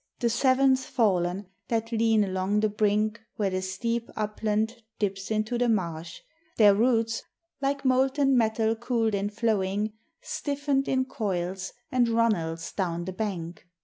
The seventh fallen, that lean along the brink Where the steep upland dips into the marsh, Their roots, like molten metal cooled in flowing, Stiffened in coils and runnels down the bank.